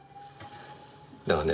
だがね